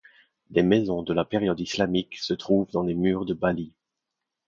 Des maisons de la période islamique se trouvent dans les murs de Balis.